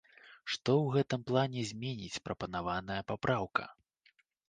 Што ў гэтым плане зменіць прапанаваная папраўка?